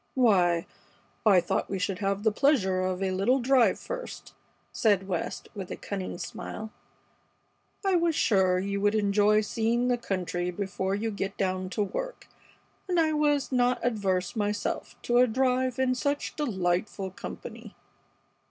"Why, I thought we should have the pleasure of a little drive first," said West, with a cunning smile. "I was sure you would enjoy seeing the country before you get down to work, and I was not averse myself to a drive in such delightful company."